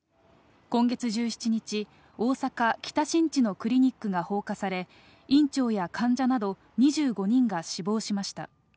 今月１７日、大阪・北新地のクリニックが放火され、院長や患者など、２５人が死亡しました。